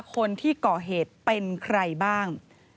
คนที่ก่อเหตุเป็นใครบ้าง